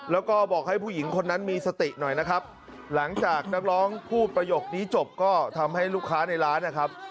แล้วก็บอกให้ผู้หญิงคนนั้นมีสติหน่อยนะครับหลังจากนักร้องพูดประโยคนี้จบก็ทำให้ลูกค้าในร้านนะครับ